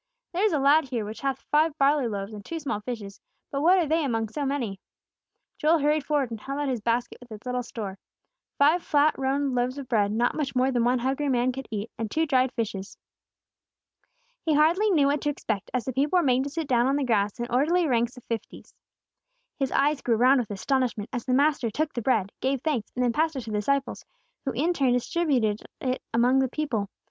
"There is a lad here which hath five barley loaves and two small fishes, but what are they among so many?" Joel hurried forward and held out his basket with its little store, five flat round loaves of bread, not much more than one hungry man could eat, and two dried fishes. He hardly knew what to expect as the people were made to sit down on the grass in orderly ranks of fifties. His eyes grew round with astonishment as the Master took the bread, gave thanks, and then passed it to the disciples, who, in turn, distributed it among the people.